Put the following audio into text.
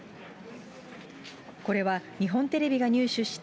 これは日本テレビが入手した、